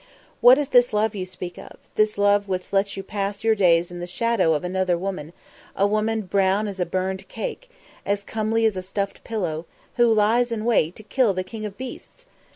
"What is this love you speak of, this love which lets you pass your days in the shadow of another woman, a woman brown as a burned cake, as comely as a stuffed pillow, who lies in wait to kill the king of beasts?